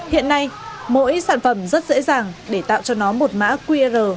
hiện nay mỗi sản phẩm rất dễ dàng để tạo cho nó một mã qr